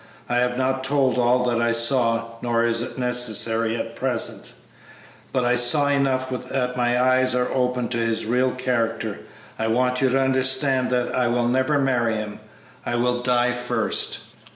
I have not told all that I saw, nor is it necessary at present; but I saw enough that my eyes are opened to his real character. I want you to understand that I will never marry him! I will die first!"